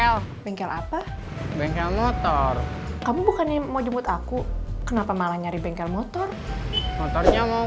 sampai jumpa di video selanjutnya